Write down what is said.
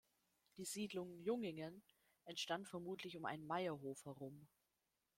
Die Siedlung Jungingen entstand vermutlich um einen Maierhof herum.